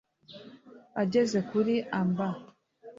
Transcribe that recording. ageze kuri Amb